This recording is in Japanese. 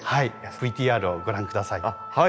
ＶＴＲをご覧下さい。